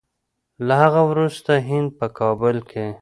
له هغه وروسته هند په کابل کې